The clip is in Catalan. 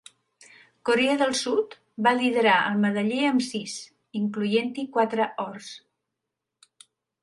Corea del Sud va liderar el medaller amb sis, incloent-hi quatre ors.